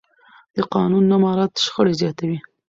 د قانون نه مراعت شخړې زیاتوي